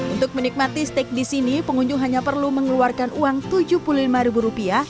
untuk menikmati steak di sini pengunjung hanya perlu mengeluarkan uang rp tujuh puluh lima